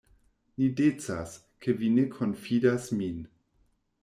Ne decas, ke vi ne konfidas min.